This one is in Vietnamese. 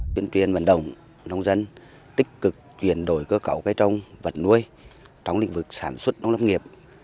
chuyên truyền vận động nông dân tích cực chuyển đổi cơ cẩu cây trông vật nuôi trong lĩnh vực sản xuất nông lập nghiệp